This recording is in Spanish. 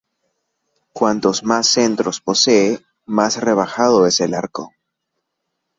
Cuanto más centros posee, más rebajado es el arco.